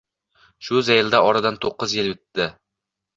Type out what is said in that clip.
Shu zaylda oradan to`qqiz yil o`tdi